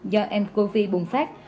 do ncov bùng phát